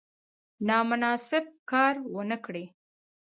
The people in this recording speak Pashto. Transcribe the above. نامناسب کار ونه کړي.